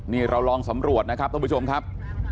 นี่เราลองสำรวจนะครับท่านผู้ชมครับ